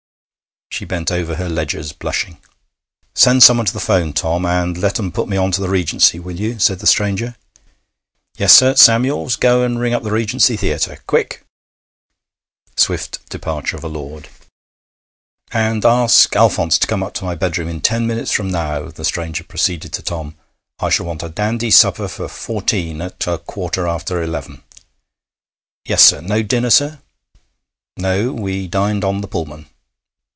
She bent over her ledgers, blushing. 'Send someone to the 'phone, Tom, and let 'em put me on to the Regency, will you?' said the stranger. 'Yes, sir. Samuels, go and ring up the Regency Theatre quick!' Swift departure of a lord. 'And ask Alphonse to come up to my bedroom in ten minutes from now,' the stranger proceeded to Tom. 'I shall want a dandy supper for fourteen at a quarter after eleven.' 'Yes, sir. No dinner, sir?' 'No; we dined on the Pullman.